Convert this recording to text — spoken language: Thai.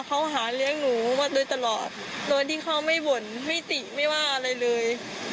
เขาหาเลี้ยงหนูมาโดยตลอดโดยที่เขาไม่บ่นไม่ติไม่ว่าอะไรเลย